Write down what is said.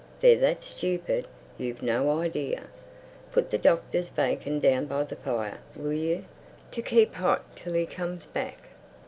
They're that stupid, you've no idea!—Put the Doctor's bacon down by the fire, will you?—to keep hot till he comes back."